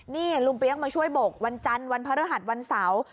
นี่ลุงเปี๊ยกมาช่วยบกวันจันทร์วันพระฤหัสวันเสาร์